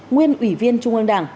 nguyên ủy viên trung ương đảng